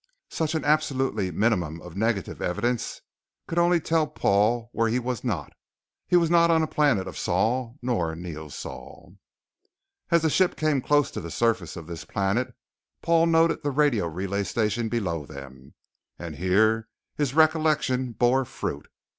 Such an absolutely minimum of negative evidence could only tell Paul where he was not; he was not on a planet of Sol nor Neosol. As the ship came close to the surface of this planet, Paul noted the radio relay station below them, and here his recollection bore fruit.